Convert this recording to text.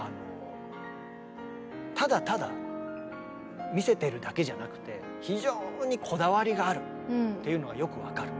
ただただ見せてるだけじゃなくて非常にこだわりがあるっていうのがよく分かる。